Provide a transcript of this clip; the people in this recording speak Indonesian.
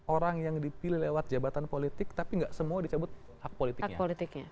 orang yang dipilih lewat jabatan politik tapi nggak semua dicabut hak politiknya